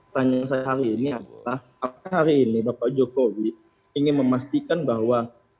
tanya saya hari ini adalah apakah hari ini bapak jokowi ingin memastikan bahwa